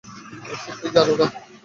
সত্যিই জানো না?